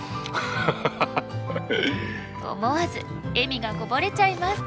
思わず笑みがこぼれちゃいます。